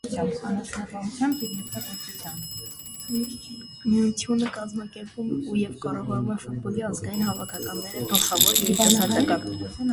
Միությունը կազմակերպում և կառավապում է ֆուտբոլի ազգային հավաքականները (գլխավոր, երիտասարդական)։